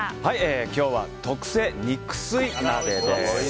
今日は、特製肉吸い鍋です。